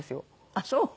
ああそう。